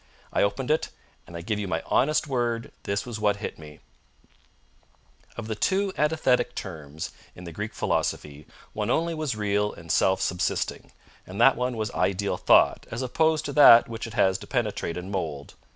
I opened it, and I give you my honest word this was what hit me: _Of the two antithetic terms in the Greek philosophy one only was real and self subsisting; and that one was Ideal Thought as opposed to that which it has to penetrate and mould.